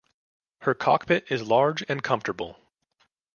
Her cockpit is large and comfortable.